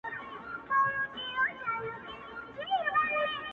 امتحان هر سړي پر ملا مات کړي،